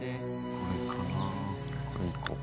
これかな。これいこう。